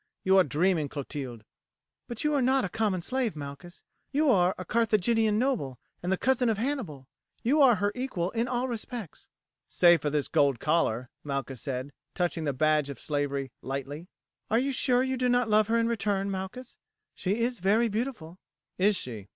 You are dreaming, Clotilde." "But you are not a common slave, Malchus, you are a Carthaginian noble and the cousin of Hannibal. You are her equal in all respects." "Save for this gold collar," Malchus said, touching the badge of slavery lightly. "Are you sure you do not love her in return, Malchus? She is very beautiful." "Is she?"